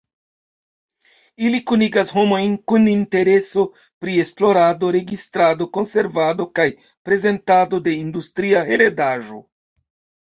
Ili kunigas homojn kun intereso pri esplorado, registrado, konservado kaj prezentado de industria heredaĵo.